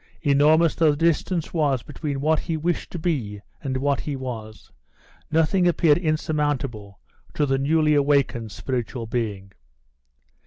Enormous though the distance was between what he wished to be and what he was, nothing appeared insurmountable to the newly awakened spiritual being.